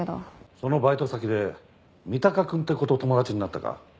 そのバイト先で三鷹くんって子と友達になったか？